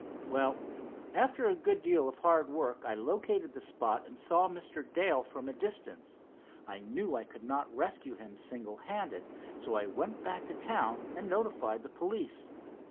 "Well, after a good deal of hard work I located the spot and saw Mr. Dale from a distance. I knew I could not rescue him single handed, so I went back to town and notified the police.